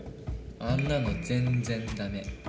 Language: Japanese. あんなの全然ダメ。